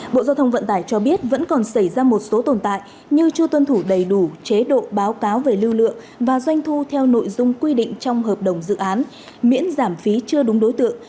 bộ giao thông vận tải cho biết vẫn còn xảy ra một số tồn tại như chưa tuân thủ đầy đủ chế độ báo cáo về lưu lượng và doanh thu theo nội dung quy định trong hợp đồng dự án miễn giảm phí chưa đúng đối tượng